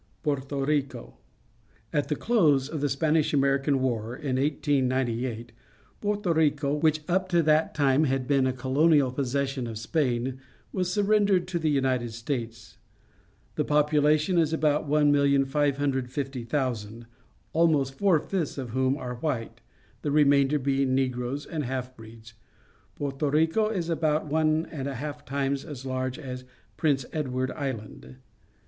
' Porto Rico. — At the close of the Spanish American War, in 1S98, Porto Rico, which up to that time had been a colonial possession of Spain, was surrendered to the United States. The population is about 1,550,000, almost four ttfths of whom are white, the remainder being Negroes and half breeds. Porto Rico is about one and a half times a.s large as Prince Edward Island.